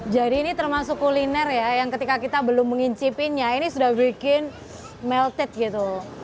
jadi ini termasuk kuliner ya yang ketika kita belum mengincipinnya ini sudah bikin melted gitu